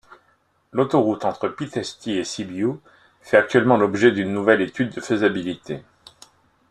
L'autoroute entre Pitești et Sibiu fait actuellement l'objet d'une nouvelle étude de faisabilité.